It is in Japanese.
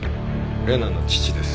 玲奈の父です。